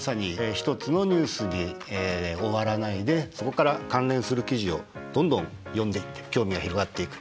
一つのニュースに終わらないでそこから関連する記事をどんどん読んでいって興味が広がっていく。